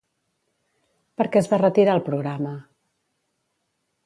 Per què es va retirar el programa?